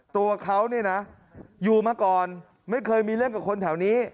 ตัวเขาเนี่ยนะอยู่มาก่อนไม่เคยมีเรื่องกับคนแถวนี้